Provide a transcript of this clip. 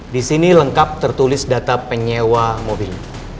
di sini lengkap tertulis data penyewa mobil